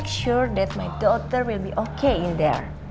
karena aku mau pastikan anakku akan baik baik aja di sana